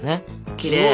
きれい。